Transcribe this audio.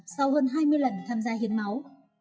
sau hơn hai mươi lần tham gia hiến máu